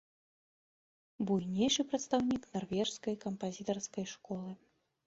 Буйнейшы прадстаўнік нарвежскай кампазітарскай школы.